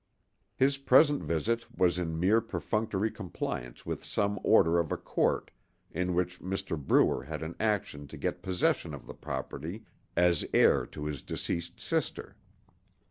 His present visit was in mere perfunctory compliance with some order of a court in which Mr. Brewer had an action to get possession of the property as heir to his deceased sister.